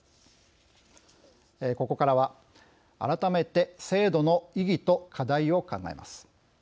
ここからは、改めて制度の意義と課題を考えます。